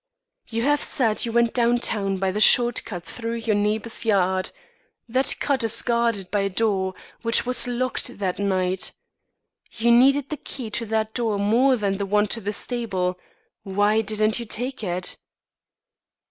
"You have said you went down town by the short cut through your neighbour's yard. That cut is guarded by a door, which was locked that night. You needed the key to that door more than the one to the stable. Why didn't you take it?"